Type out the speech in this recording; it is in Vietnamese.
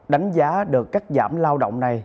đánh giá được các giảm lao động này